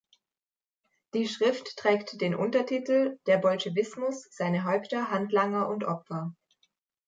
Die Schrift trägt den Untertitel "Der Bolschewismus, seine Häupter, Handlanger und Opfer".